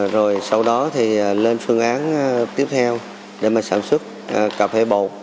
rồi sau đó thì lên phương án tiếp theo để mà sản xuất cà phê bột